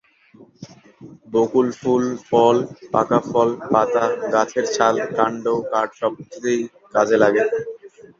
বকুল ফুল, ফল, পাকা ফল, পাতা, গাছের ছাল, কাণ্ড, কাঠ সব কিছুই কাজে লাগে।